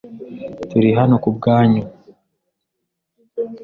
Turi hano kubwanyu.